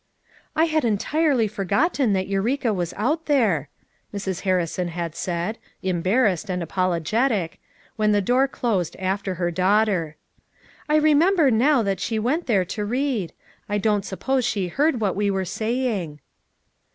"I had entirely forgotten that Eureka was out there," Mrs. Harrison had said, embarrassed and apologetic, when the door closed after her daughter. "I remember now that she went there to read; I don't suppose she heard what we were saying."